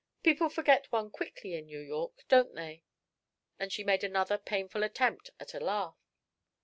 People forget one quickly in New York, don't they?" And she made another painful attempt at a laugh.